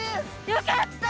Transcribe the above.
よかった！